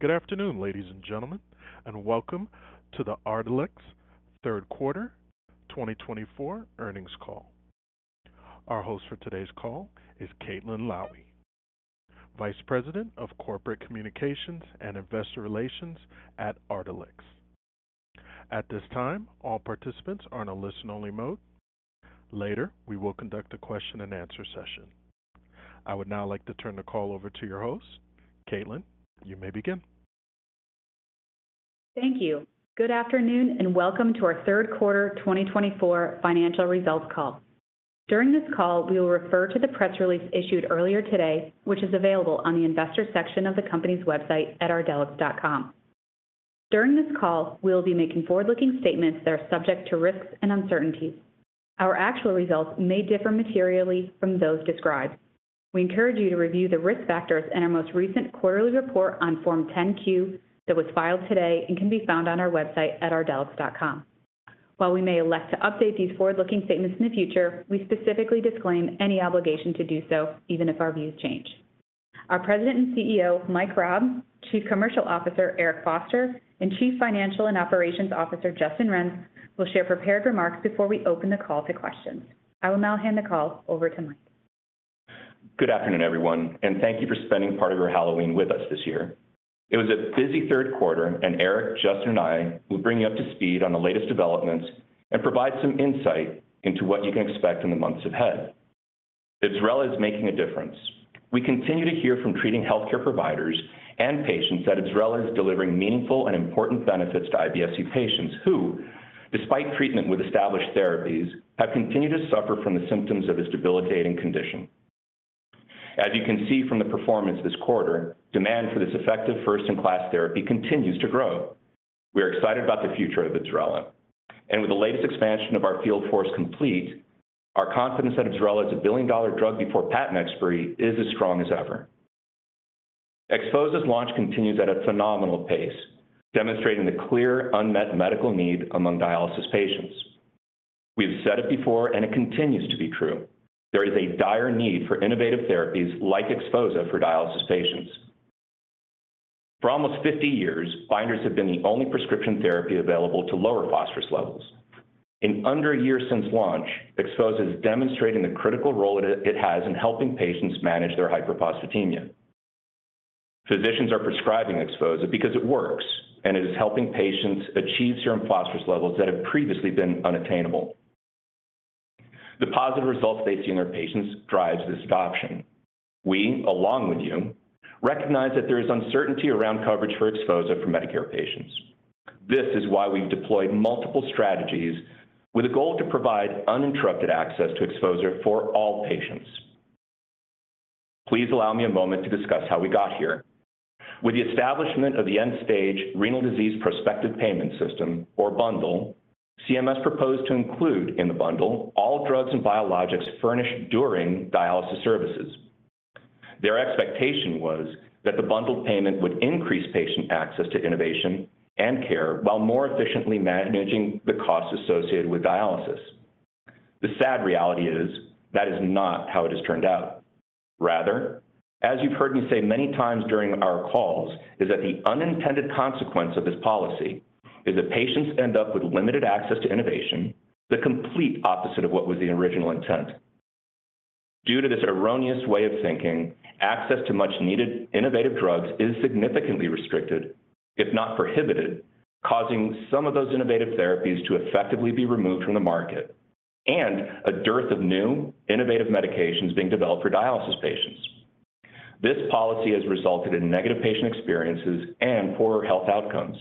Good afternoon, ladies and gentlemen, and welcome to the Ardelyx Q3 2024 earnings call. Our host for today's call is Caitlin Lowie, Vice President of Corporate Communications and Investor Relations at Ardelyx. At this time, all participants are in a listen-only mode. Later, we will conduct a question-and-answer session. I would now like to turn the call over to your host, Caitlin. You may begin. Thank you. Good afternoon, and welcome to our Q3 2024 financial results call. During this call, we will refer to the press release issued earlier today, which is available on the Investor section of the company's website at ardelyx.com. During this call, we will be making forward-looking statements that are subject to risks and uncertainties. Our actual results may differ materially from those described. We encourage you to review the risk factors in our most recent quarterly report on Form 10-Q that was filed today and can be found on our website at ardelyx.com. While we may elect to update these forward-looking statements in the future, we specifically disclaim any obligation to do so, even if our views change. Our President and CEO, Mike Raab, Chief Commercial Officer, Eric Foster, and Chief Financial and Operations Officer, Justin Renz, will share prepared remarks before we open the call to questions. I will now hand the call over to Mike. Good afternoon, everyone, and thank you for spending part of your Halloween with us this year. It was a busy Q3, and Eric, Justin, and I will bring you up to speed on the latest developments and provide some insight into what you can expect in the months ahead. IBSRELA is making a difference. We continue to hear from treating healthcare providers and patients that IBSRELA is delivering meaningful and important benefits to IBS-C patients who, despite treatment with established therapies, have continued to suffer from the symptoms of this debilitating condition. As you can see from the performance this quarter, demand for this effective first-in-class therapy continues to grow. We are excited about the future of Ibsrela. And with the latest expansion of our field force complete, our confidence that IBSRELA is a billion-dollar drug before patent expiry is as strong as ever. Xphozah launch continues at a phenomenal pace, demonstrating the clear unmet medical need among dialysis patients. We have said it before, and it continues to be true. There is a dire need for innovative therapies like Xphozah for dialysis patients. For almost 50 years, binders have been the only prescription therapy available to lower phosphorus levels. In under a year since launch, Xphozah is demonstrating the critical role it has in helping patients manage their hyperphosphatemia. Physicians are prescribing Xphozah because it works, and it is helping patients achieve serum phosphorus levels that have previously been unattainable. The positive results they see in their patients drive this adoption. We, along with you, recognize that there is uncertainty around coverage for Xphozah for Medicare patients. This is why we've deployed multiple strategies with a goal to provide uninterrupted access to Xphozah for all patients. Please allow me a moment to discuss how we got here. With the establishment of the End-Stage Renal Disease Prospective Payment System, or bundle, CMS proposed to include in the bundle all drugs and biologics furnished during dialysis services. Their expectation was that the bundle payment would increase patient access to innovation and care while more efficiently managing the costs associated with dialysis. The sad reality is that is not how it has turned out. Rather, as you've heard me say many times during our calls, is that the unintended consequence of this policy is that patients end up with limited access to innovation, the complete opposite of what was the original intent. Due to this erroneous way of thinking, access to much-needed innovative drugs is significantly restricted, if not prohibited, causing some of those innovative therapies to effectively be removed from the market and a dearth of new innovative medications being developed for dialysis patients. This policy has resulted in negative patient experiences and poorer health outcomes.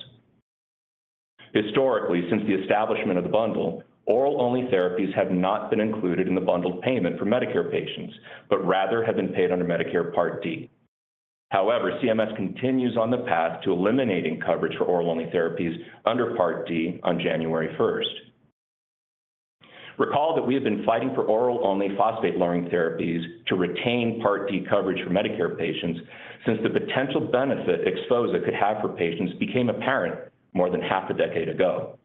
Historically, since the establishment of the bundle, oral-only therapies have not been included in the bundle payment for Medicare patients, but rather have been paid under Medicare Part D. However, CMS continues on the path to eliminating coverage for oral-only therapies under Part D on January 1st. Recall that we have been fighting for oral-only phosphate lowering therapies to retain Part D coverage for Medicare patients since the potential benefit Xphozah could have for patients became apparent more than half a decade ago.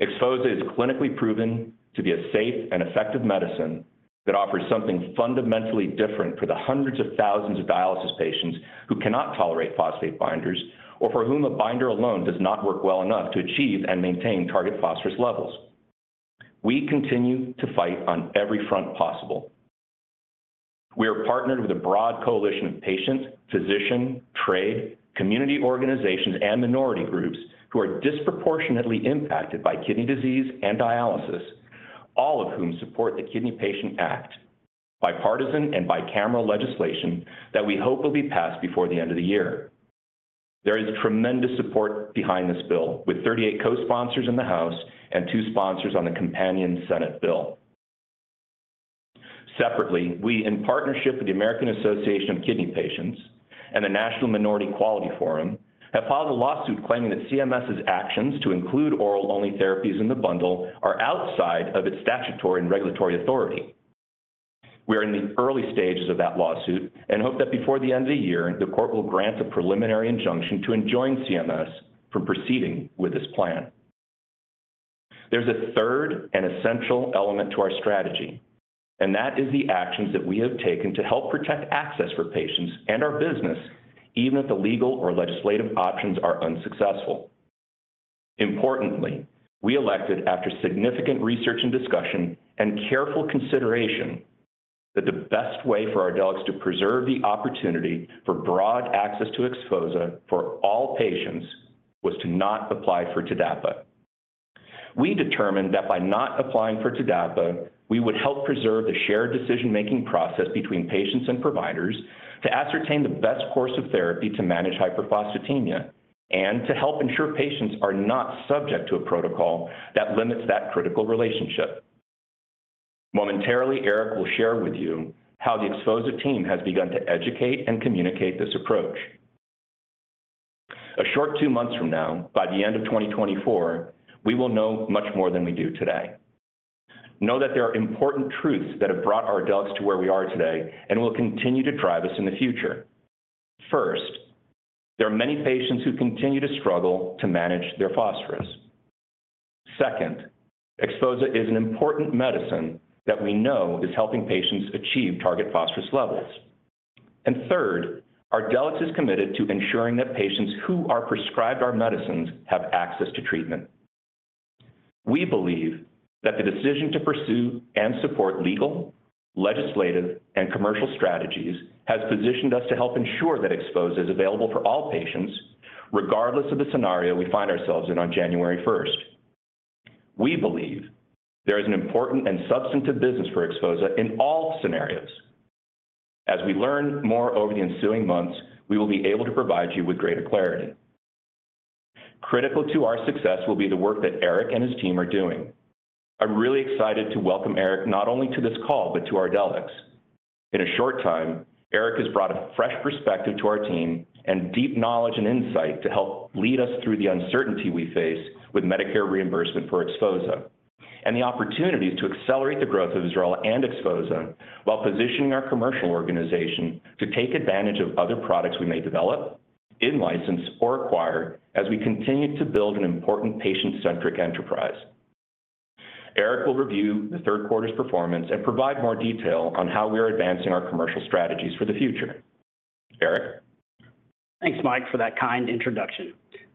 Xphozah is clinically proven to be a safe and effective medicine that offers something fundamentally different for the hundreds of thousands of dialysis patients who cannot tolerate phosphate binders or for whom a binder alone does not work well enough to achieve and maintain target phosphorus levels. We continue to fight on every front possible. We are partnered with a broad coalition of patients, physicians, trade, community organizations, and minority groups who are disproportionately impacted by kidney disease and dialysis, all of whom support the Kidney Patient Act, bipartisan and bicameral legislation that we hope will be passed before the end of the year. There is tremendous support behind this bill, with 38 co-sponsors in the House and two sponsors on the companion Senate bill. Separately, we, in partnership with the American Association of Kidney Patients and the National Minority Quality Forum, have filed a lawsuit claiming that CMS's actions to include oral-only therapies in the bundle are outside of its statutory and regulatory authority. We are in the early stages of that lawsuit and hope that before the end of the year, the Court will grant a preliminary injunction to enjoin CMS from proceeding with this plan. There's a third and essential element to our strategy, and that is the actions that we have taken to help protect access for patients and our business, even if the legal or legislative options are unsuccessful. Importantly, we elected, after significant research and discussion and careful consideration, that the best way for Ardelyx to preserve the opportunity for broad access to Xphozah for all patients was to not apply for TDAPA. We determined that by not applying for TDAPA, we would help preserve the shared decision-making process between patients and providers to ascertain the best course of therapy to manage hyperphosphatemia and to help ensure patients are not subject to a protocol that limits that critical relationship. Momentarily, Eric will share with you how the Xphozah team has begun to educate and communicate this approach. A short two months from now, by the end of 2024, we will know much more than we do today. Know that there are important truths that have brought Ardelyx to where we are today and will continue to drive us in the future. First, there are many patients who continue to struggle to manage their phosphorus. Second, Xphozah is an important medicine that we know is helping patients achieve target phosphorus levels. And third, Ardelyx is committed to ensuring that patients who are prescribed our medicines have access to treatment. We believe that the decision to pursue and support legal, legislative, and commercial strategies has positioned us to help ensure that Xphozah is available for all patients, regardless of the scenario we find ourselves in on January 1st. We believe there is an important and substantive business for Xphozah in all scenarios. As we learn more over the ensuing months, we will be able to provide you with greater clarity. Critical to our success will be the work that Eric and his team are doing. I'm really excited to welcome Eric not only to this call, but to Ardelyx. In a short time, Eric has brought a fresh perspective to our team and deep knowledge and insight to help lead us through the uncertainty we face with Medicare reimbursement for Xphozah and the opportunities to accelerate the growth of IBSRELA and Xphozah while positioning our commercial organization to take advantage of other products we may develop, in-license, or acquire as we continue to build an important patient-centric enterprise. Eric will review the Q3 performance and provide more detail on how we are advancing our commercial strategies for the future. Eric? Thanks, Mike, for that kind introduction.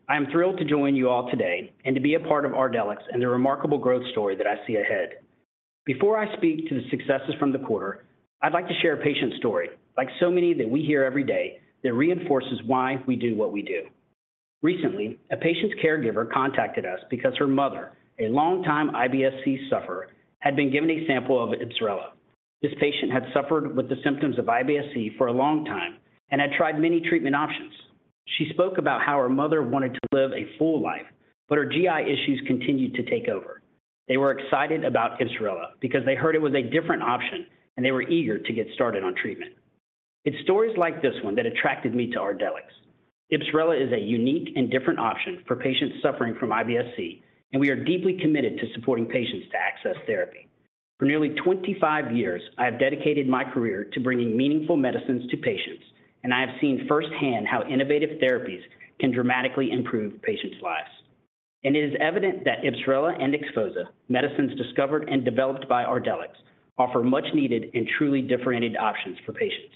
I am thrilled to join you all today and to be a part of Ardelyx and the remarkable growth story that I see ahead. Before I speak to the successes from the quarter, I'd like to share a patient story, like so many that we hear every day, that reinforces why we do what we do. Recently, a patient's caregiver contacted us because her mother, a longtime IBS-C sufferer, had been given a sample of Ibsrela. This patient had suffered with the symptoms of IBS-C for a long time and had tried many treatment options. She spoke about how her mother wanted to live a full life, but her GI issues continued to take over. They were excited about Ibsrela because they heard it was a different option, and they were eager to get started on treatment. It's stories like this one that attracted me to Ardelyx. Ibsrela is a unique and different option for patients suffering from IBS-C, and we are deeply committed to supporting patients to access therapy. For nearly 25 years, I have dedicated my career to bringing meaningful medicines to patients, and I have seen firsthand how innovative therapies can dramatically improve patients' lives, and it is evident that Ibsrela and Xphozah, medicines discovered and developed by Ardelyx, offer much-needed and truly differentiated options for patients.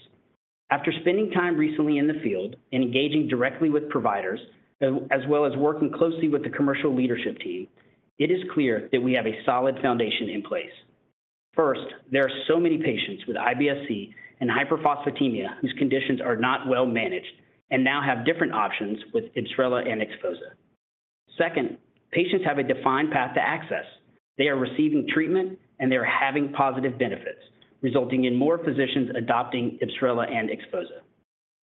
After spending time recently in the field and engaging directly with providers, as well as working closely with the commercial leadership team, it is clear that we have a solid foundation in place. First, there are so many patients with IBS-C and hyperphosphatemia whose conditions are not well managed and now have different options with Ibsrela and Xphozah. Second, patients have a defined path to access. They are receiving treatment, and they are having positive benefits, resulting in more physicians adopting Ibsrela and Xphozah,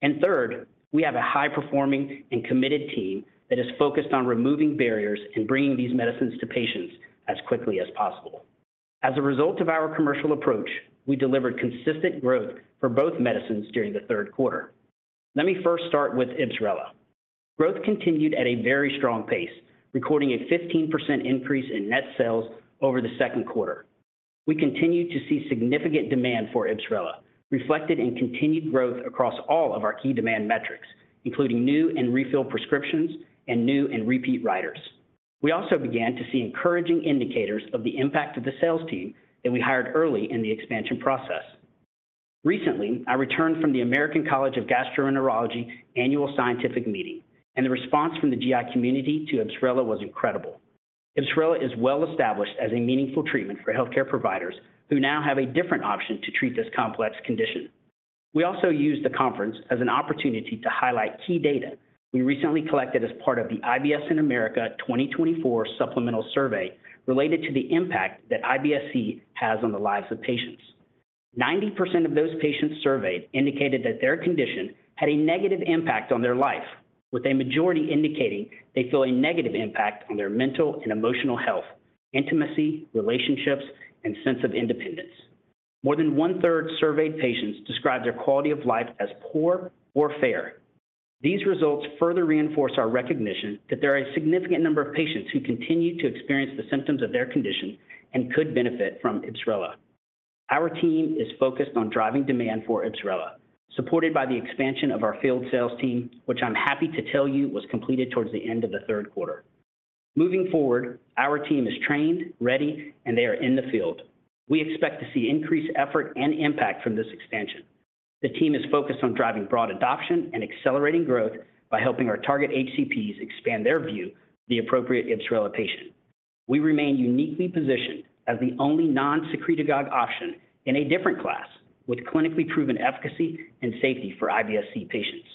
and third, we have a high-performing and committed team that is focused on removing barriers and bringing these medicines to patients as quickly as possible. As a result of our commercial approach, we delivered consistent growth for both medicines during the Q3. Let me first start with Ibsrela. Growth continued at a very strong pace, recording a 15% increase in net sales over the Q2. We continued to see significant demand for Ibsrela, reflected in continued growth across all of our key demand metrics, including new and refill prescriptions and new and repeat writers. We also began to see encouraging indicators of the impact of the sales team that we hired early in the expansion process. Recently, I returned from the American College of Gastroenterology annual scientific meeting, and the response from the GI community to Ibsrela was incredible. Ibsrela is well established as a meaningful treatment for healthcare providers who now have a different option to treat this complex condition. We also used the conference as an opportunity to highlight key data we recently collected as part of the IBS in America 2024 supplemental survey related to the impact that IBS-C has on the lives of patients. 90% of those patients surveyed indicated that their condition had a negative impact on their life, with a majority indicating they feel a negative impact on their mental and emotional health, intimacy, relationships, and sense of independence. More than one-third surveyed patients described their quality of life as poor or fair. These results further reinforce our recognition that there are a significant number of patients who continue to experience the symptoms of their condition and could benefit from Ibsrela. Our team is focused on driving demand for Ibsrela, supported by the expansion of our field sales team, which I'm happy to tell you was completed towards the end of the Q3. Moving forward, our team is trained, ready, and they are in the field. We expect to see increased effort and impact from this expansion. The team is focused on driving broad adoption and accelerating growth by helping our target HCPs expand their view to the appropriate Ibsrela patient. We remain uniquely positioned as the only non-serotonergic option in a different class, with clinically proven efficacy and safety for IBS-C patients.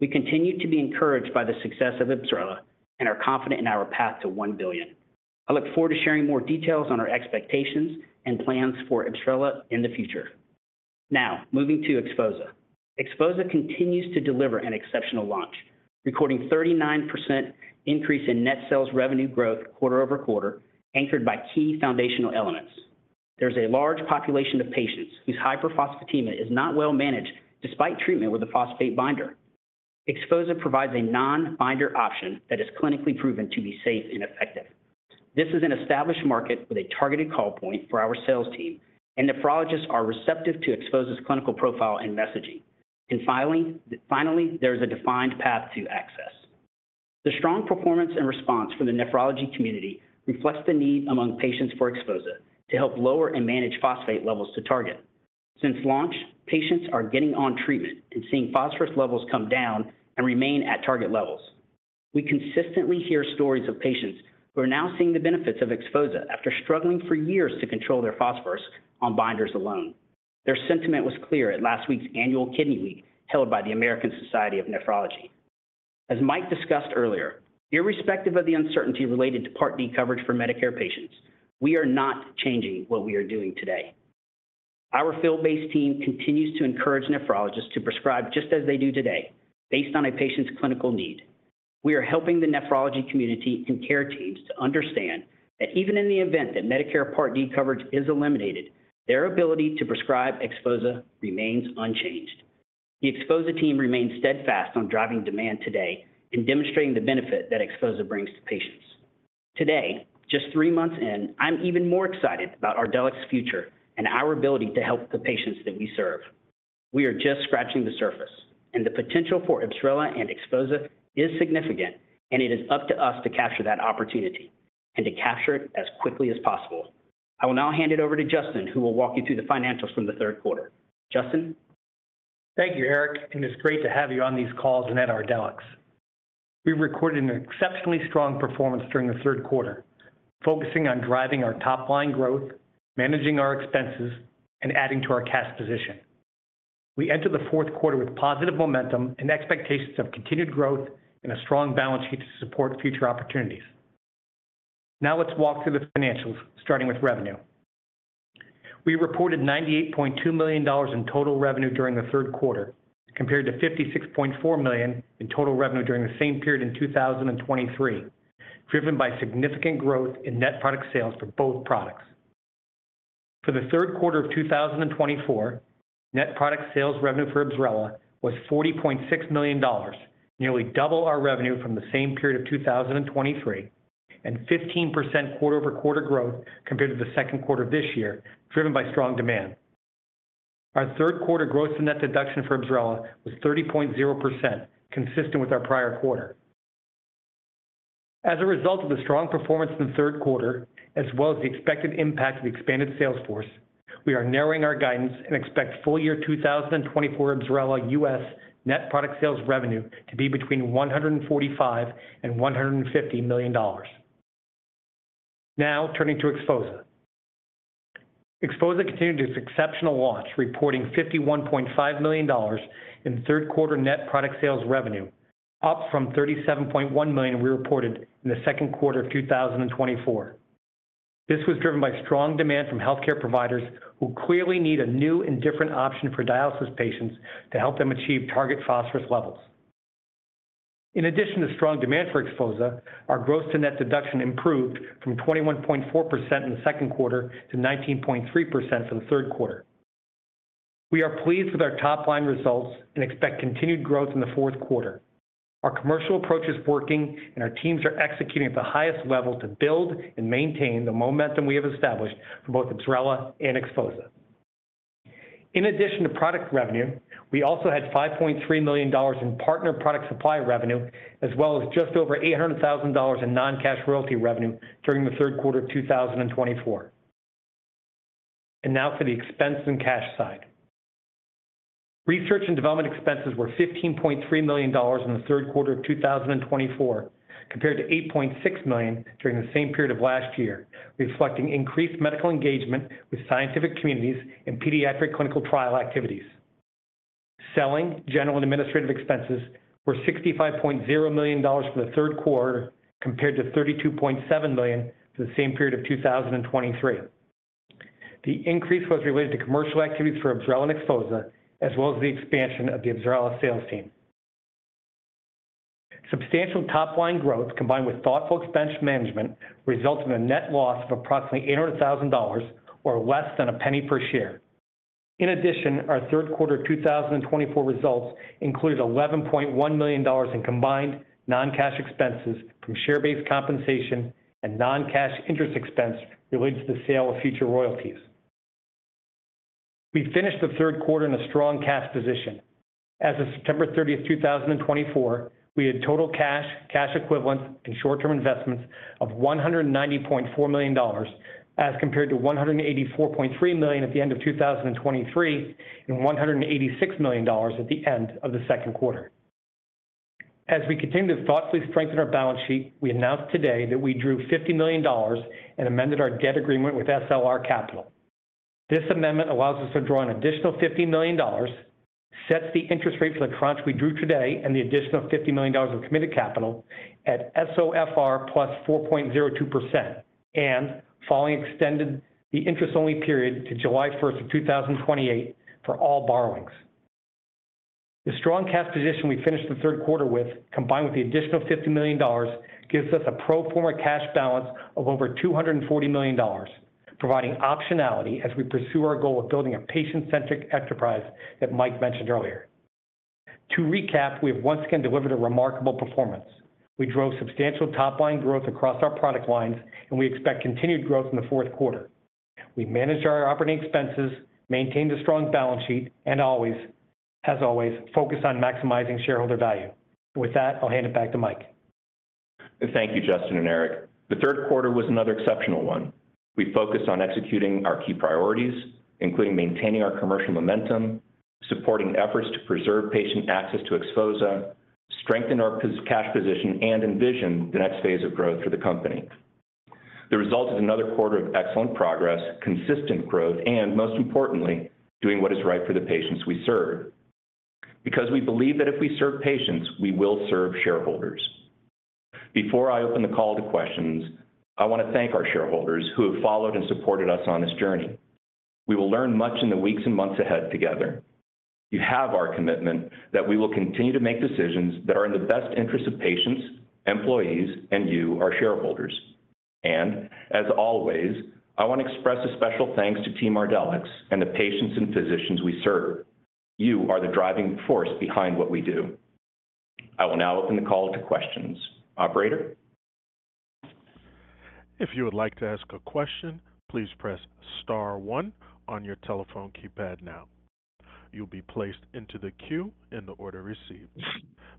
We continue to be encouraged by the success of Ibsrela and are confident in our path to $1 billion. I look forward to sharing more details on our expectations and plans for Ibsrela in the future. Now, moving to Xphozah. Xphozah continues to deliver an exceptional launch, recording a 39% increase in net sales revenue growth quarter over quarter, anchored by key foundational elements. There's a large population of patients whose hyperphosphatemia is not well managed despite treatment with a phosphate binder. Xphozah provides a non-binder option that is clinically proven to be safe and effective. This is an established market with a targeted call point for our sales team, and nephrologists are receptive to Xphozah's clinical profile and messaging, and finally, there is a defined path to access. The strong performance and response from the nephrology community reflects the need among patients for Xphozah to help lower and manage phosphate levels to target. Since launch, patients are getting on treatment and seeing phosphorus levels come down and remain at target levels. We consistently hear stories of patients who are now seeing the benefits of Xphozah after struggling for years to control their phosphorus on binders alone. Their sentiment was clear at last week's annual Kidney Week held by the American Society of Nephrology. As Mike discussed earlier, irrespective of the uncertainty related to Part D coverage for Medicare patients, we are not changing what we are doing today. Our field-based team continues to encourage nephrologists to prescribe just as they do today, based on a patient's clinical need. We are helping the nephrology community and care teams to understand that even in the event that Medicare Part D coverage is eliminated, their ability to prescribe Xphozah remains unchanged. The Xphozah team remains steadfast on driving demand today and demonstrating the benefit that Xphozah brings to patients. Today, just three months in, I'm even more excited about Ardelyx's future and our ability to help the patients that we serve. We are just scratching the surface, and the potential for Ibsrela and Xphozah is significant, and it is up to us to capture that opportunity and to capture it as quickly as possible. I will now hand it over to Justin, who will walk you through the financials from the Q3. Justin? Thank you, Eric, and it's great to have you on these calls and at Ardelyx. We recorded an exceptionally strong performance during the Q3, focusing on driving our top-line growth, managing our expenses, and adding to our cash position. We entered the Q4 with positive momentum and expectations of continued growth and a strong balance sheet to support future opportunities. Now, let's walk through the financials, starting with revenue. We reported $98.2 million in total revenue during the Q3, compared to $56.4 million in total revenue during the same period in 2023, driven by significant growth in net product sales for both products. For the Q3 of 2024, net product sales revenue for Ibsrela was $40.6 million, nearly double our revenue from the same period of 2023, and 15% quarter-over-quarter growth compared to the Q2 of this year, driven by strong demand. Our Q3 gross-to-net deduction for Ibsrela was 30.0%, consistent with our prior quarter. As a result of the strong performance in the Q3, as well as the expected impact of the expanded sales force, we are narrowing our guidance and expect full year 2024 Ibsrela U.S. net product sales revenue to be between $145 and $150 million. Now, turning to Xphozah. Xphozah continued its exceptional launch, reporting $51.5 million in Q3 net product sales revenue, up from $37.1 million we reported in the Q2 of 2024. This was driven by strong demand from healthcare providers who clearly need a new and different option for dialysis patients to help them achieve target phosphorus levels. In addition to strong demand for Xphozah, our gross-to-net deduction improved from 21.4% in the Q2 to 19.3% for the Q3. We are pleased with our top-line results and expect continued growth in the Q4. Our commercial approach is working, and our teams are executing at the highest level to build and maintain the momentum we have established for both Ibsrela and Xphozah. In addition to product revenue, we also had $5.3 million in partner product supply revenue, as well as just over $800,000 in non-cash royalty revenue during the Q3 of 2024, and now for the expense and cash side. Research and development expenses were $15.3 million in the Q3 of 2024, compared to $8.6 million during the same period of last year, reflecting increased medical engagement with scientific communities and pediatric clinical trial activities. Selling, general and administrative expenses were $65.0 million for the Q3, compared to $32.7 million for the same period of 2023. The increase was related to commercial activities for Ibsrela and Xphozah, as well as the expansion of the Ibsrela sales team. Substantial top-line growth, combined with thoughtful expense management, resulted in a net loss of approximately $800,000, or less than a penny per share. In addition, our Q3 of 2024 results included $11.1 million in combined non-cash expenses from share-based compensation and non-cash interest expense related to the sale of future royalties. We finished the Q3 in a strong cash position. As of September 30, 2024, we had total cash, cash equivalents, and short-term investments of $190.4 million, as compared to $184.3 million at the end of 2023 and $186 million at the end of the Q2. As we continue to thoughtfully strengthen our balance sheet, we announced today that we drew $50 million and amended our debt agreement with SLR Capital. This amendment allows us to draw an additional $50 million, sets the interest rate for the tranche we drew today and the additional $50 million of committed capital at SOFR plus 4.02%, and following extended the interest-only period to July 1, 2028, for all borrowings. The strong cash position we finished the Q3 with, combined with the additional $50 million, gives us a pro forma cash balance of over $240 million, providing optionality as we pursue our goal of building a patient-centric enterprise that Mike mentioned earlier. To recap, we have once again delivered a remarkable performance. We drove substantial top-line growth across our product lines, and we expect continued growth in the Q4. We managed our operating expenses, maintained a strong balance sheet, and, as always, focused on maximizing shareholder value. With that, I'll hand it back to Mike. Thank you, Justin and Eric. The Q3 was another exceptional one. We focused on executing our key priorities, including maintaining our commercial momentum, supporting efforts to preserve patient access to Xphozah, strengthen our cash position, and envision the next phase of growth for the company. The result is another quarter of excellent progress, consistent growth, and, most importantly, doing what is right for the patients we serve. Because we believe that if we serve patients, we will serve shareholders. Before I open the call to questions, I want to thank our shareholders who have followed and supported us on this journey. We will learn much in the weeks and months ahead together. You have our commitment that we will continue to make decisions that are in the best interest of patients, employees, and you, our shareholders. And, as always, I want to express a special thanks to Team Ardelyx and the patients and physicians we serve. You are the driving force behind what we do. I will now open the call to questions. Operator? If you would like to ask a question, please press star one on your telephone keypad now. You'll be placed into the queue in the order received.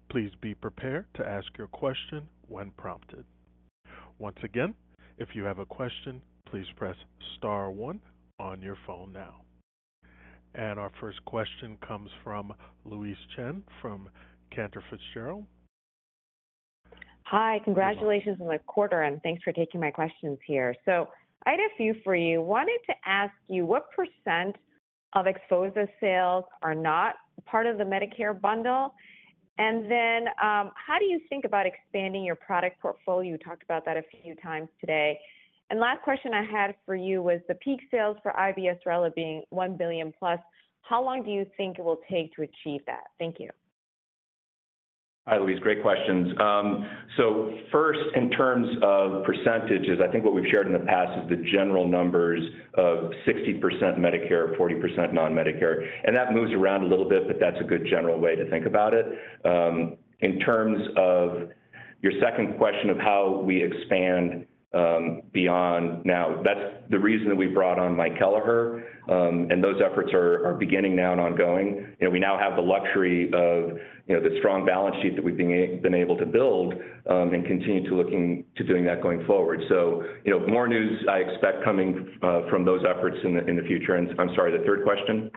Please be prepared to ask your question when prompted. Once again, if you have a question, please press star one on your phone now. And our first question comes from Louise Chen from Cantor Fitzgerald. Hi, congratulations on the quarter end. Thanks for taking my questions here. So I had a few for you. Wanted to ask you, what % of Xphozah sales are not part of the Medicare bundle? And then how do you think about expanding your product portfolio? You talked about that a few times today. And last question I had for you was the peak sales for IBSRELA being $1 billion plus. How long do you think it will take to achieve that? Thank you. Hi, Louise. Great questions. So first, in terms of percentages, I think what we've shared in the past is the general numbers of 60% Medicare, 40% non-Medicare. And that moves around a little bit, but that's a good general way to think about it. In terms of your second question of how we expand beyond now, that's the reason that we brought on Mike Kelleher, and those efforts are beginning now and ongoing. We now have the luxury of the strong balance sheet that we've been able to build and continue to look into doing that going forward. So more news I expect coming from those efforts in the future. And I'm sorry, the third question?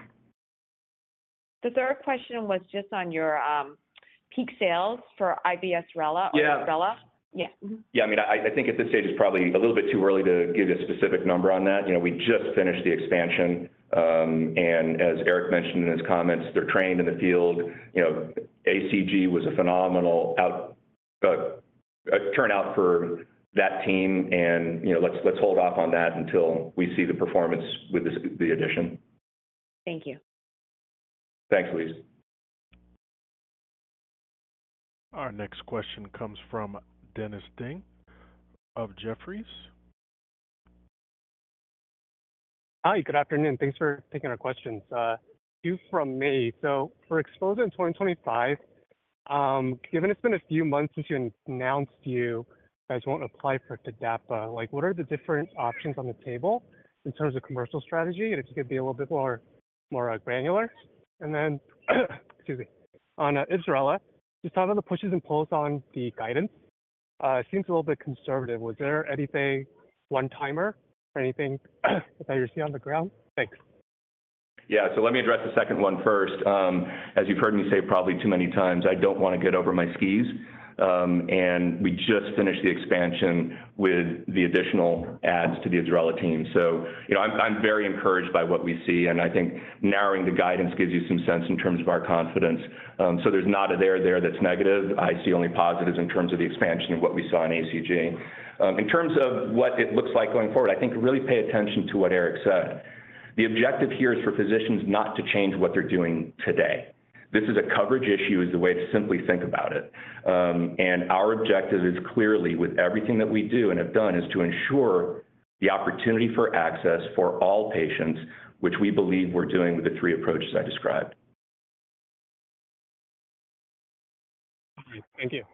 The third question was just on your peak sales for IBSRELA or IBSRELA? Yeah. Yeah, I mean, I think at this stage it's probably a little bit too early to give a specific number on that. We just finished the expansion. And as Eric mentioned in his comments, they're trained in the field. ACG was a phenomenal turnout for that team. And let's hold off on that until we see the performance with the addition. Thank you. Thanks, Louise. Our next question comes from Dennis Ding of Jefferies. Hi, good afternoon. Thanks for taking our questions. A few from me. So for Xphozah in 2025, given it's been a few months since we announced you guys won't apply for TDAPA, what are the different options on the table in terms of commercial strategy? And if you could be a little bit more granular. And then, excuse me, on Ibsrela, just talk about the pushes and pulls on the guidance. It seems a little bit conservative. Was there anything one-timer or anything that you're seeing on the ground? Thanks. Yeah, so let me address the second one first. As you've heard me say probably too many times, I don't want to get over my skis. And we just finished the expansion with the additional adds to the Ibsrela team. So I'm very encouraged by what we see. And I think narrowing the guidance gives you some sense in terms of our confidence. So there's not a there there that's negative. I see only positives in terms of the expansion of what we saw in ACG. In terms of what it looks like going forward, I think really pay attention to what Eric said. The objective here is for physicians not to change what they're doing today. This is a coverage issue as the way to simply think about it. Our objective is clearly, with everything that we do and have done, is to ensure the opportunity for access for all patients, which we believe we're doing with the three approaches I described. Thank you.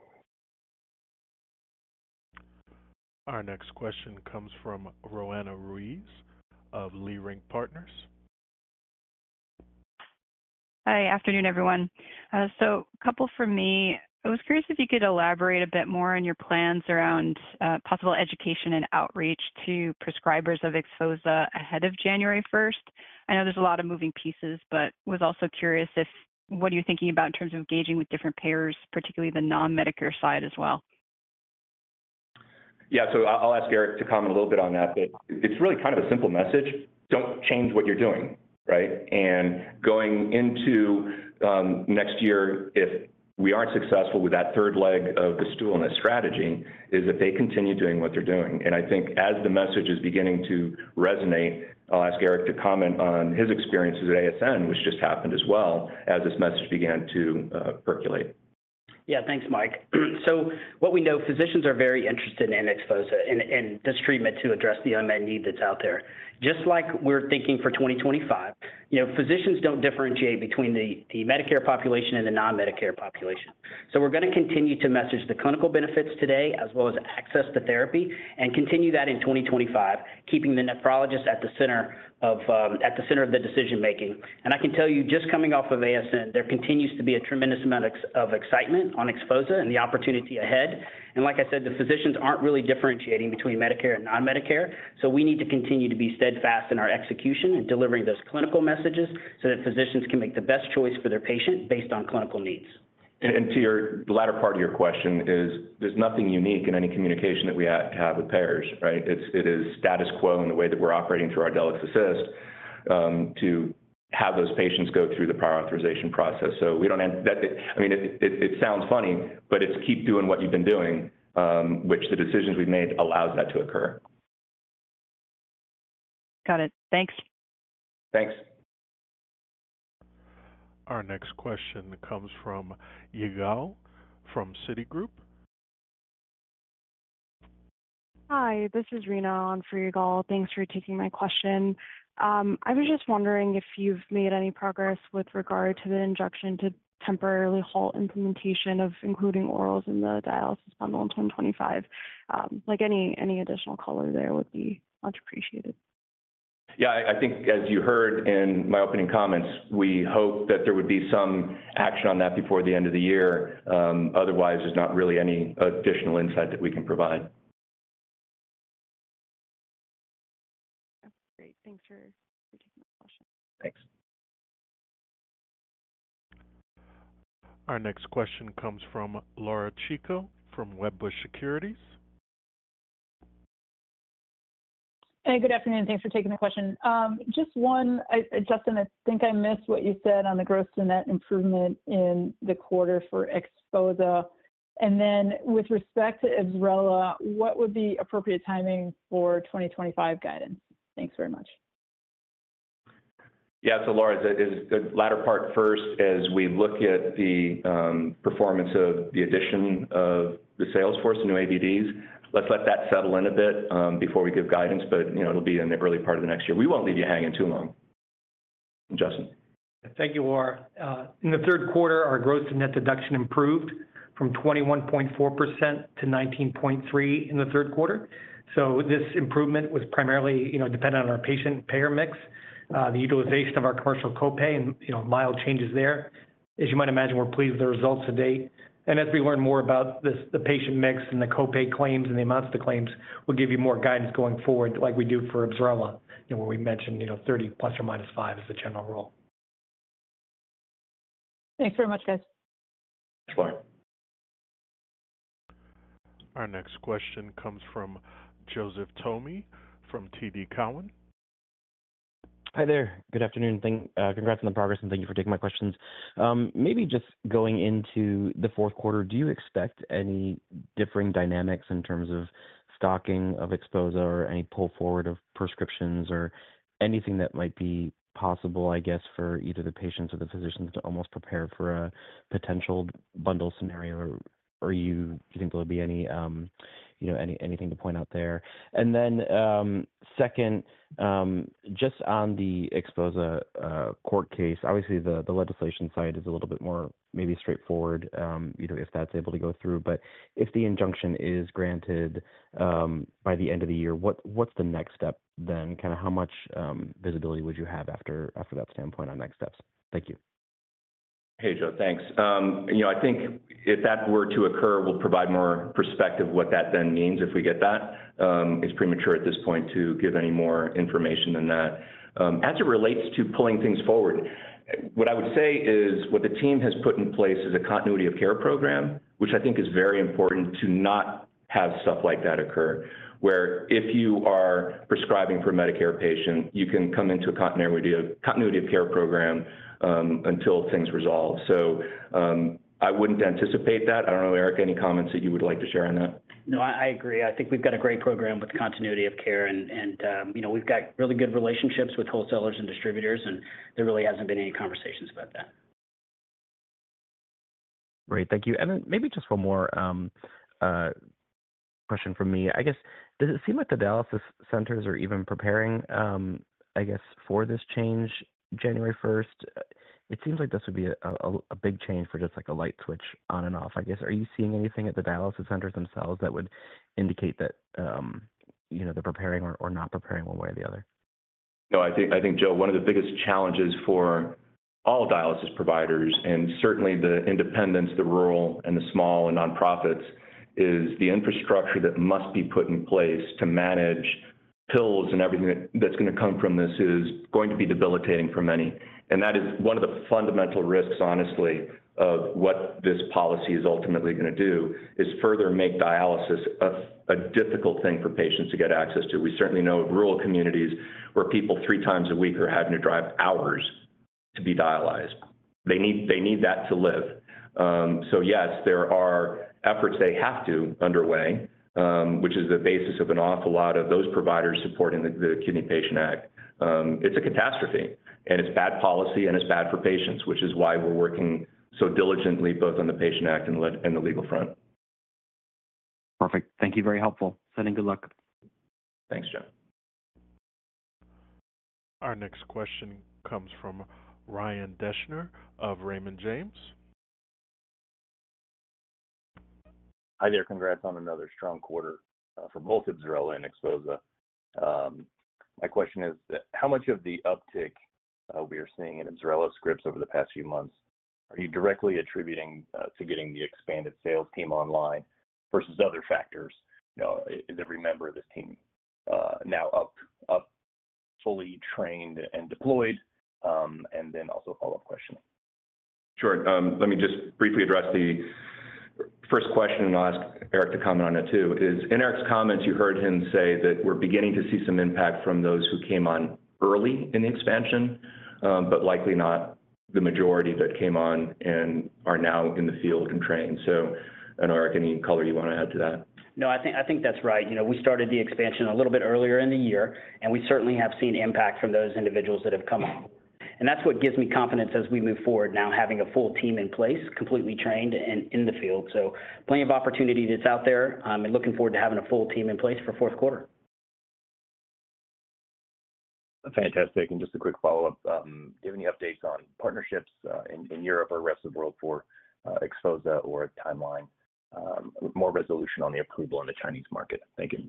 Our next question comes from Roanna Ruiz of Leerink Partners. Good afternoon, everyone. So a couple from me. I was curious if you could elaborate a bit more on your plans around possible education and outreach to prescribers of Xphozah ahead of January 1st. I know there's a lot of moving pieces, but I was also curious if what are you thinking about in terms of engaging with different payers, particularly the non-Medicare side as well? Yeah, so I'll ask Eric to comment a little bit on that. But it's really kind of a simple message. Don't change what you're doing, right? And going into next year, if we aren't successful with that third leg of the stool and the strategy, is that they continue doing what they're doing. And I think as the message is beginning to resonate, I'll ask Eric to comment on his experiences at ASN, which just happened as well, as this message began to percolate. Yeah, thanks, Mike. So what we know, physicians are very interested in Xphozah and this treatment to address the unmet need that's out there. Just like we're thinking for 2025, physicians don't differentiate between the Medicare population and the non-Medicare population. So we're going to continue to message the clinical benefits today, as well as access to therapy, and continue that in 2025, keeping the nephrologist at the center of the decision-making. I can tell you, just coming off of ASN, there continues to be a tremendous amount of excitement on Xphozah and the opportunity ahead. Like I said, the physicians aren't really differentiating between Medicare and non-Medicare. So we need to continue to be steadfast in our execution and delivering those clinical messages so that physicians can make the best choice for their patient based on clinical needs. And to your latter part of your question is, there's nothing unique in any communication that we have with payers, right? It is status quo in the way that we're operating through ArdelyxAssist to have those patients go through the prior authorization process. So we don't end that. I mean, it sounds funny, but it's keep doing what you've been doing, which the decisions we've made allows that to occur. Got it. Thanks. Thanks. Our next question comes from Yigal from Citigroup. Hi, this is Reina on for Yigal. Thanks for taking my question. I was just wondering if you've made any progress with regard to the injunction to temporarily halt implementation of including orals in the dialysis bundle in 2025. Any additional color there would be much appreciated. Yeah, I think as you heard in my opening comments, we hope that there would be some action on that before the end of the year. Otherwise, there's not really any additional insight that we can provide. Great. Thanks for taking my question. Thanks. Our next question comes from Laura Chico from Wedbush Securities. Hi, good afternoon. Thanks for taking the question. Just one, Justin, I think I missed what you said on the gross to net improvement in the quarter for Xphozah. And then with respect to Ibsrela, what would be appropriate timing for 2025 guidance? Thanks very much. Yeah, so Laura, the latter part first, as we look at the performance of the addition of the sales force, the new ADDs, let's let that settle in a bit before we give guidance. But it'll be in the early part of the next year. We won't leave you hanging too long. Justin. Thank you, Laura. In the third quarter, our gross-to-net deduction improved from 21.4% to 19.3% in the third quarter. So this improvement was primarily dependent on our patient payer mix, the utilization of our commercial copay, and mild changes there. As you might imagine, we're pleased with the results to date. And as we learn more about the patient mix and the copay claims and the amounts of the claims, we'll give you more guidance going forward like we do for Ibsrela, where we mentioned 30% plus or minus 5% is the general rule. Thanks very much, guys. Thanks, Laura. Our next question comes from Joseph Thome from TD Cowen. Hi there. Good afternoon. Congrats on the progress, and thank you for taking my questions. Maybe just going into the fourth quarter, do you expect any differing dynamics in terms of stocking of Xphozah or any pull forward of prescriptions or anything that might be possible, I guess, for either the patients or the physicians to almost prepare for a potential bundle scenario? Or do you think there'll be anything to point out there? And then second, just on the Xphozah court case, obviously, the legislation side is a little bit more maybe straightforward if that's able to go through. But if the injunction is granted by the end of the year, what's the next step then? Kind of how much visibility would you have after that standpoint on next steps? Thank you. Hey, Joe, thanks. I think if that were to occur, we'll provide more perspective what that then means if we get that. It's premature at this point to give any more information than that. As it relates to pulling things forward, what I would say is what the team has put in place is a continuity of care program, which I think is very important to not have stuff like that occur, where if you are prescribing for a Medicare patient, you can come into a continuity of care program until things resolve. So I wouldn't anticipate that. I don't know, Eric, any comments that you would like to share on that? No, I agree. I think we've got a great program with continuity of care, and we've got really good relationships with wholesalers and distributors, and there really hasn't been any conversations about that. Great. Thank you. And then maybe just one more question from me. I guess, does it seem like the dialysis centers are even preparing, I guess, for this change January 1st? It seems like this would be a big change for just like a light switch on and off, I guess. Are you seeing anything at the dialysis centers themselves that would indicate that they're preparing or not preparing one way or the other? No, I think, Joe, one of the biggest challenges for all dialysis providers, and certainly the independents, the rural, and the small and nonprofits, is the infrastructure that must be put in place to manage pills, and everything that's going to come from this is going to be debilitating for many, and that is one of the fundamental risks, honestly, of what this policy is ultimately going to do: further make dialysis a difficult thing for patients to get access to. We certainly know of rural communities where people three times a week are having to drive hours to be dialyzed. They need that to live, so yes, there are efforts they have to underway, which is the basis of an awful lot of those providers supporting the Kidney Patient Act. It's a catastrophe. It's bad policy, and it's bad for patients, which is why we're working so diligently both on the Patient Act and the legal front. Perfect. Thank you. Very helpful. Sending good luck. Thanks, Joe. Our next question comes from Ryan Deschner of Raymond James. Hi there. Congrats on another strong quarter for both Ibsrela and Xphozah. My question is, how much of the uptick we are seeing in Ibsrela scripts over the past few months are you directly attributing to getting the expanded sales team online versus other factors? Is every member of this team now up, fully trained and deployed? And then also follow-up question. Sure. Let me just briefly address the first question, and I'll ask Eric to comment on it too. In Eric's comments, you heard him say that we're beginning to see some impact from those who came on early in the expansion, but likely not the majority that came on and are now in the field and trained. So, Eric, any color you want to add to that? No, I think that's right. We started the expansion a little bit earlier in the year, and we certainly have seen impact from those individuals that have come on, and that's what gives me confidence as we move forward now, having a full team in place, completely trained and in the field, so plenty of opportunity that's out there. I'm looking forward to having a full team in place for fourth quarter. Fantastic. And just a quick follow-up. Do you have any updates on partnerships in Europe or rest of the world for Xphozah or a timeline, more resolution on the approval in the Chinese market? Thank you.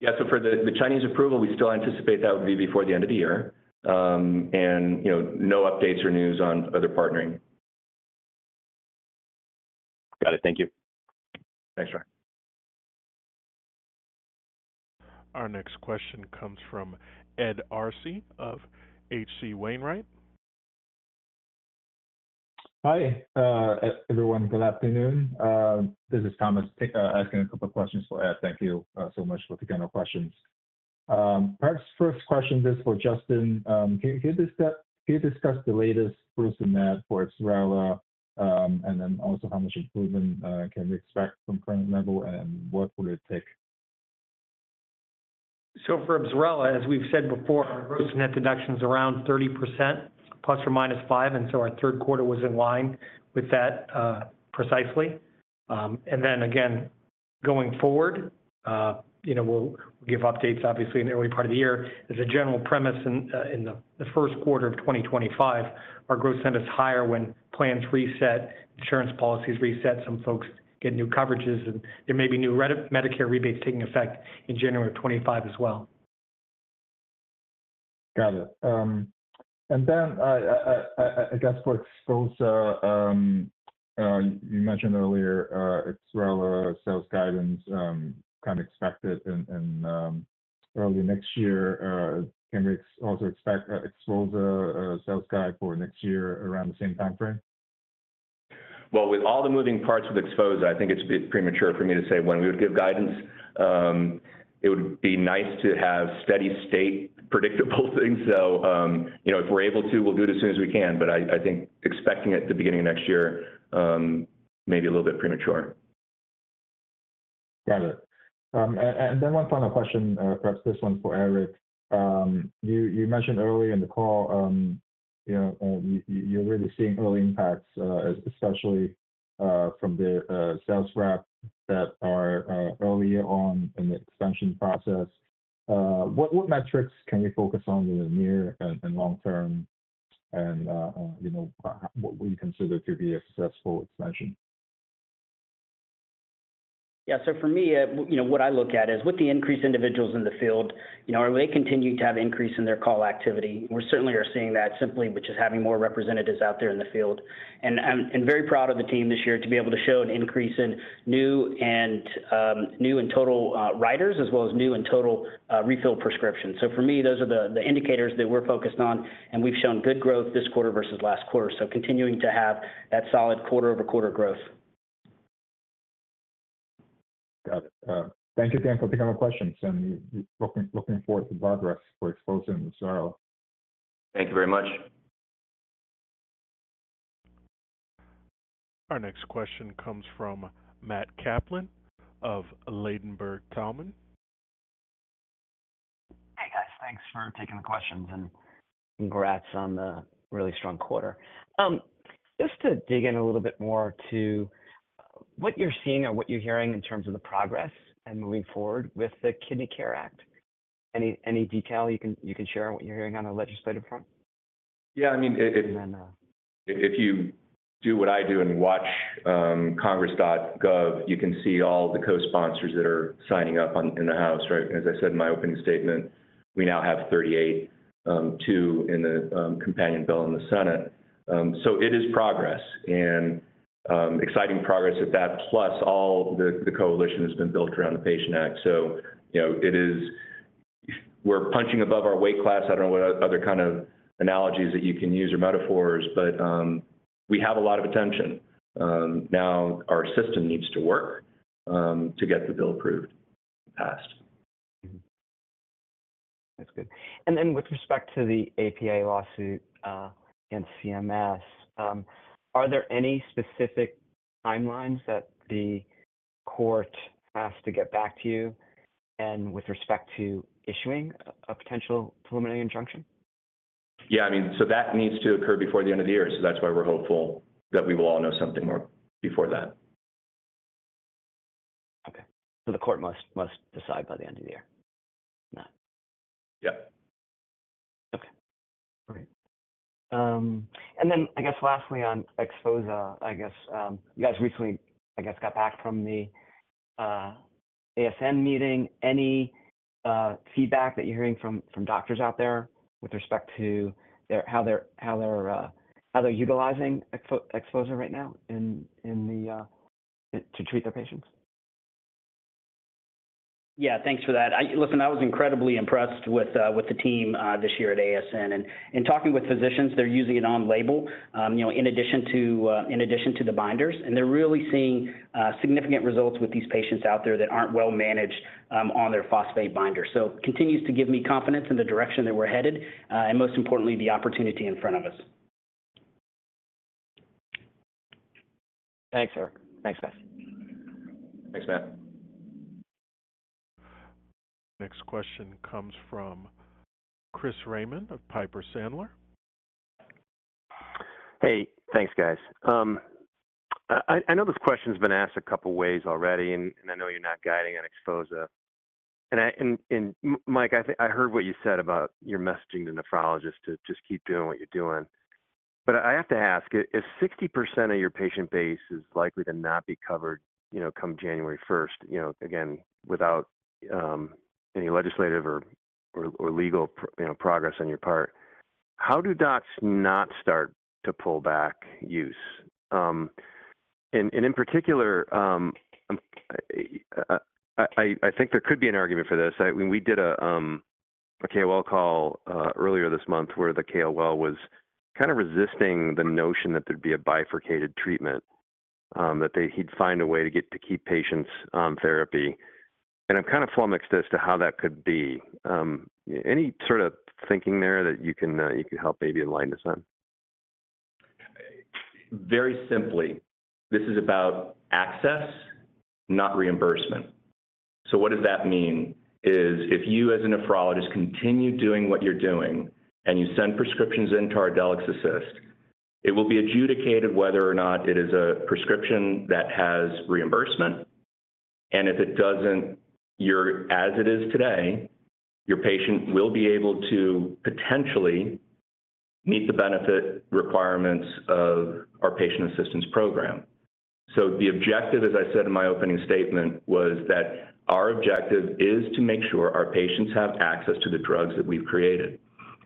Yeah, so for the Chinese approval, we still anticipate that would be before the end of the year and no updates or news on other partnering. Got it. Thank you. Thanks, Joe. Our next question comes from Ed Arce of H.C. Wainwright. Hi, everyone. Good afternoon. This is Thomas asking a couple of questions for Ed. Thank you so much for the general questions. Perhaps first question is for Justin. Can you discuss the latest gross-to-net for Ibsrela and then also how much improvement can we expect from current level and what would it take? So for Ibsrela, as we've said before, our gross-to-net deduction is around 30% plus or minus 5%. And so our third quarter was in line with that precisely. And then again, going forward, we'll give updates, obviously, in the early part of the year. As a general premise, in the first quarter of 2025, our gross-to-net is higher when plans reset, insurance policies reset, some folks get new coverages, and there may be new Medicare rebates taking effect in January of 2025 as well. Got it. And then I guess for Xphozah, you mentioned earlier Ibsrela sales guidance, kind of expected in early next year. Can we also expect Xphozah sales guide for next year around the same timeframe? With all the moving parts with Xphozah, I think it's a bit premature for me to say when we would give guidance. It would be nice to have steady state predictable things. If we're able to, we'll do it as soon as we can. I think expecting it at the beginning of next year may be a little bit premature. Got it. And then one final question, perhaps this one for Eric. You mentioned earlier in the call, you're really seeing early impacts, especially from the sales rep that are early on in the expansion process. What metrics can we focus on in the near and long term? And what would you consider to be a successful expansion? Yeah, so for me, what I look at is with the increased individuals in the field, are they continuing to have an increase in their call activity? We certainly are seeing that simply with just having more representatives out there in the field. And I'm very proud of the team this year to be able to show an increase in new and total prescribers, as well as new and total refill prescriptions. So for me, those are the indicators that we're focused on. And we've shown good growth this quarter versus last quarter. So continuing to have that solid quarter-over-quarter growth. Got it. Thank you again for picking up our questions. And looking forward to the progress for Xphozah and Ibsrela. Thank you very much. Our next question comes from Matt Kaplan of Ladenburg Thalmann. Hey, guys. Thanks for taking the questions and congrats on the really strong quarter. Just to dig in a little bit more to what you're seeing or what you're hearing in terms of the progress and moving forward with the Kidney Patient Act? Any detail you can share on what you're hearing on the legislative front? Yeah, I mean, if you do what I do and watch congress.gov, you can see all the co-sponsors that are signing up in the House, right? As I said in my opening statement, we now have 38, two in the companion bill in the Senate. So it is progress and exciting progress at that, plus all the coalition has been built around the Patient Act. So we're punching above our weight class. I don't know what other kind of analogies that you can use or metaphors, but we have a lot of attention. Now our system needs to work to get the bill approved and passed. That's good. And then with respect to the TDAPA lawsuit and CMS, are there any specific timelines that the court has to get back to you with respect to issuing a potential preliminary injunction? Yeah, I mean, so that needs to occur before the end of the year. So that's why we're hopeful that we will all know something more before that. Okay, so the court must decide by the end of the year. Yeah. Okay. All right. And then I guess lastly on Xphozah, I guess you guys recently, I guess, got back from the ASN meeting. Any feedback that you're hearing from doctors out there with respect to how they're utilizing Xphozah right now to treat their patients? Yeah, thanks for that. Listen, I was incredibly impressed with the team this year at ASN. And in talking with physicians, they're using it on label in addition to the binders. And they're really seeing significant results with these patients out there that aren't well managed on their phosphate binders. So it continues to give me confidence in the direction that we're headed and, most importantly, the opportunity in front of us. Thanks, Eric. Thanks, guys. Thanks, Matt. Next question comes from Chris Raymond of Piper Sandler. Hey, thanks, guys. I know this question's been asked a couple of ways already, and I know you're not guiding on Xphozah. And Mike, I heard what you said about your messaging to nephrologists to just keep doing what you're doing. But I have to ask, if 60% of your patient base is likely to not be covered come January 1st, again, without any legislative or legal progress on your part, how do docs not start to pull back use? And in particular, I think there could be an argument for this. We did a KOL call earlier this month where the KOL was kind of resisting the notion that there'd be a bifurcated treatment, that he'd find a way to keep patients on therapy. And I'm kind of flummoxed as to how that could be. Any sort of thinking there that you can help maybe align this on? Very simply, this is about access, not reimbursement. So what does that mean? If you, as a nephrologist, continue doing what you're doing and you send prescriptions into our ArdelyxAssist, it will be adjudicated whether or not it is a prescription that has reimbursement. And if it doesn't, as it is today, your patient will be able to potentially meet the benefit requirements of our patient assistance program. So the objective, as I said in my opening statement, was that our objective is to make sure our patients have access to the drugs that we've created.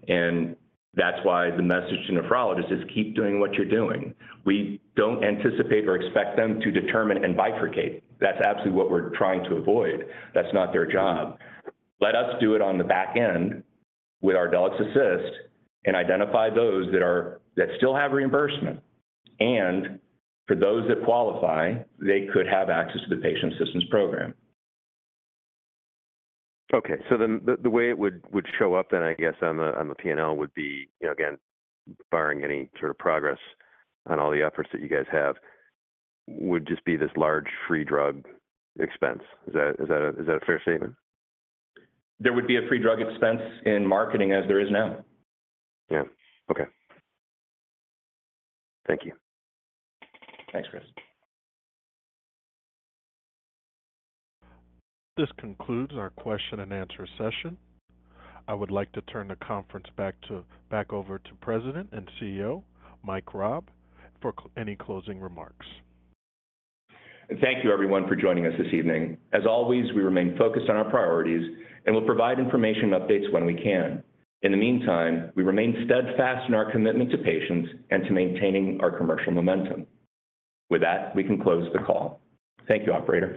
And that's why the message to nephrologists is, keep doing what you're doing. We don't anticipate or expect them to determine and bifurcate. That's absolutely what we're trying to avoid. That's not their job. Let us do it on the back end with our Ardelyx Assist and identify those that still have reimbursement. For those that qualify, they could have access to the patient assistance program. Okay. So then the way it would show up then, I guess, on the P&L would be, again, barring any sort of progress on all the efforts that you guys have, would just be this large free drug expense. Is that a fair statement? There would be a free drug expense in marketing as there is now. Yeah. Okay. Thank you. Thanks, Chris. This concludes our question and answer session. I would like to turn the conference back over to President and CEO, Mike Raab, for any closing remarks. Thank you, everyone, for joining us this evening. As always, we remain focused on our priorities and will provide information updates when we can. In the meantime, we remain steadfast in our commitment to patients and to maintaining our commercial momentum. With that, we can close the call. Thank you, operators.